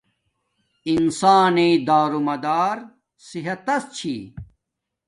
انسان نݵ دارومادار صحتس چھی